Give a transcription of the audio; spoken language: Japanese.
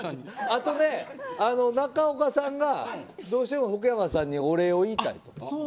あと中岡さんがどうしても福山さんにお礼を言いたいと。